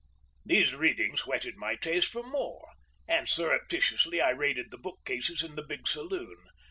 These readings whetted my taste for more, and surreptitiously I raided the bookcases in the big saloon.